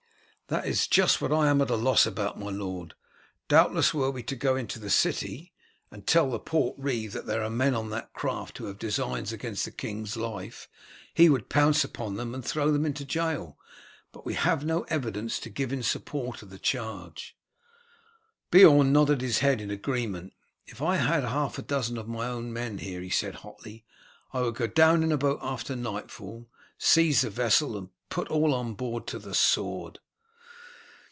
"That is just what I am at a loss about, my lord. Doubtless were we to go to the city and tell the port reeve that there are men on that craft who have designs against the king's life, he would pounce upon them and throw them into jail. But we have no evidence to give in support of the charge." Beorn nodded his head in agreement. "If I had half a dozen of my own men here," he said hotly, "I would go down in a boat after nightfall, seize the vessel, and put all on board to the sword."